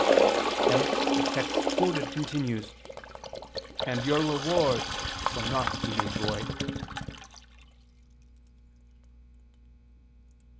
Hence the text quoted continues: "And your reward shall not be made void."